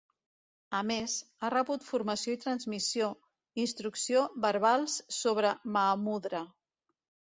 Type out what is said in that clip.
A més, ha rebut formació i transmissió, instrucció verbals sobre Mahamudra.